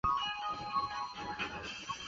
字叔胄。